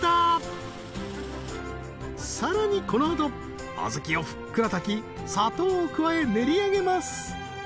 さらにこのあと小豆をふっくら炊き砂糖を加え練り上げます